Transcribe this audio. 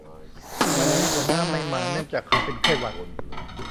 วันนี้หัวหน้าไม่มาเนื่องจากเขาเป็นไข้หวัด